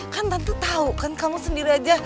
kan tante tau kan kamu sendiri aja